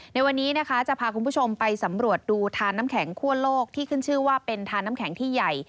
ในวันนี้นะคะจะพาคุณผู้ชมไปสำรวจดูทานน้ำแข็งคั่วโลกที่ขึ้นชื่อว่าเป็นทานน้ำแข็งที่ใหญ่